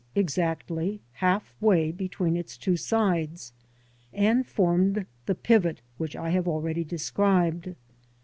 exactly half way between its two sides — ^and formed the pivot which I have already described.